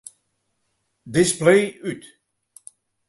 Display út.